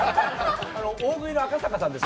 大食いの赤坂さんです。